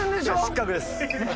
失格です。